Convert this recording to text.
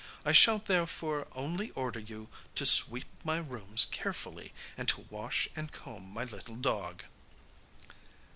I shall therefore only order you to sweep my rooms carefully, and to wash and comb my little dog.